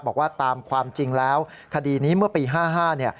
บอกว่าตามความจริงแล้วคดีนี้เมื่อปี๕๕เนี่ย